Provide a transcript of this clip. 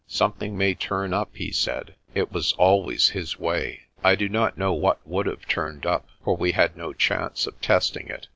"Something may turn up," he said. It was always his way. I do not know what would have turned up, for we had no chance of testing it.